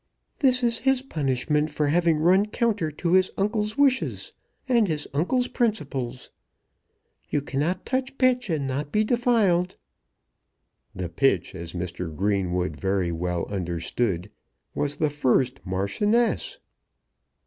"This is his punishment for having run counter to his uncle's wishes and his uncle's principles. You cannot touch pitch and not be defiled." The pitch, as Mr. Greenwood very well understood, was the first Marchioness.